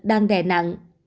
đang đè nặng